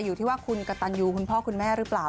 อยู่ที่ว่าคุณกระตันยูคุณพ่อคุณแม่หรือเปล่า